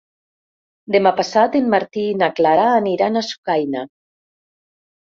Demà passat en Martí i na Clara aniran a Sucaina.